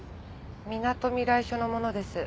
みなとみらい署の者です。